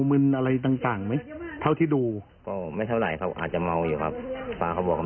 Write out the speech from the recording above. ผมก็บอกไอ้ใจไม่เชื่อมันไม่ใช่ศัพท์มาคุยกัน